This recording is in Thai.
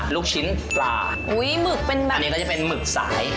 ลูกชิ้นปลาอันนี้ก็จะเป็นหมึกสาย